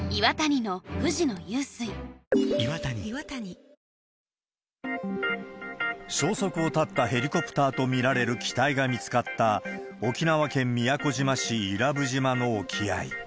ポリグリップ消息を絶ったヘリコプターと見られる機体が見つかった、沖縄県宮古島市伊良部島の沖合。